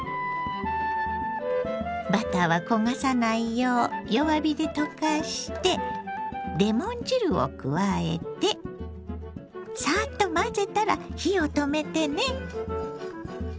バターは焦がさないよう弱火で溶かしてレモン汁を加えてさっと混ぜたら火を止めてね。